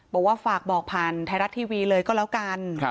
บอกว่าฝากบอกผ่านไทยรัฐทีวีเลยก็แล้วกัน